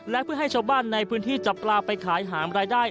และเพื่อให้ชาวบ้านในพื้นที่จับปลาไปขายหามรายได้